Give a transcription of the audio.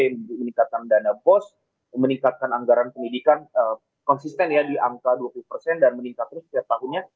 yang meningkatkan dana bos meningkatkan anggaran pendidikan konsisten ya di angka dua puluh persen dan meningkat terus setiap tahunnya